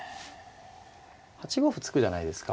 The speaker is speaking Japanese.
８五歩突くじゃないですか。